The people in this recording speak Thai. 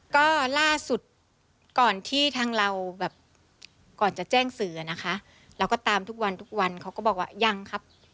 ก็ล่าสุดก่อนที่ทางเราแบบก่อนจะแจ้งสื่ออะนะคะเราก็ตามทุกวันทุกวันเขาก็บอกว่ายังครับ